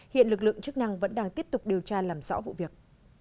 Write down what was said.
hiện lực lượng chức năng vẫn đang tiếp tục điều tra làm rõ vụ việc